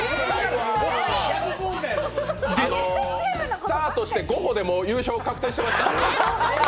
スタートして５歩でもう優勝確定していました。